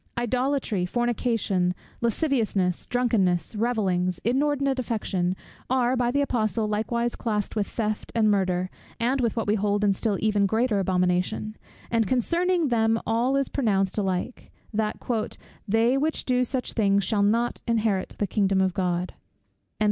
Idolatry, fornication, lasciviousness, drunkenness, revellings, inordinate affection, are, by the apostle likewise classed with theft and murder, and with what we hold in even still greater abomination; and concerning them all it is pronounced alike, that "they which do such things shall not inherit the kingdom of God."